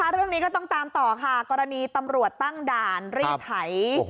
เรื่องนี้ก็ต้องตามต่อค่ะกรณีตำรวจตั้งด่านรีดไถ